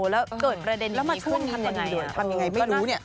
อ๋อแล้วเกิดประเด็นอันนี้ขึ้นอย่างไร